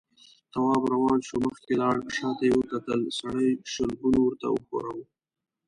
تواب روان شو، مخکې لاړ، شاته يې وکتل، سړي شلګون ورته وښوراوه.